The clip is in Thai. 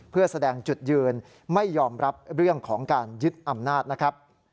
เพื่อแสดงจุดยืนไม่ยอมรับเรื่องของการยึดอำนาจนะครับ